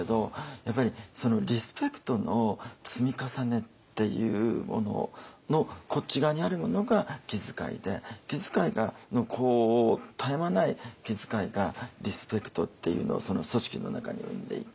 やっぱりリスペクトの積み重ねっていうもののこっち側にあるものが気遣いで気遣いの絶え間ない気遣いがリスペクトっていうのを組織の中に生んでいき